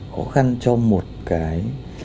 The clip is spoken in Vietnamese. khó khăn cho một cái